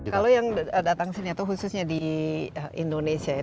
kalau yang datang sini atau khususnya di indonesia ya